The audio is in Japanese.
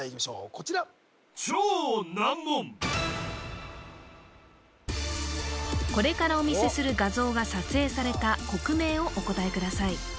こちらこれからお見せする画像が撮影された国名をお答えください